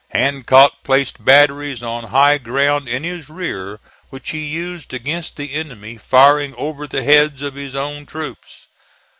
Hancock placed batteries on high ground in his rear, which he used against the enemy, firing over the heads of his own troops.